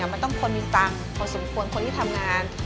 มันต้องควรมีเงี้ยเงินของสำควรคนนี้ทำงาน